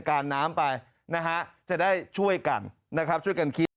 ก็จะหนักเลยค่ะ